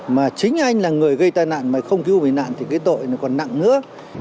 mà chính anh là người gây tai nạn mà không cứu bị nạn thì cái tội còn nặng nữa